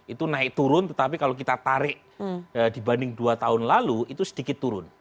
itu naik turun tetapi kalau kita tarik dibanding dua tahun lalu itu sedikit turun